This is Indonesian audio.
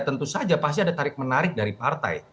tentu saja pasti ada tarik menarik dari partai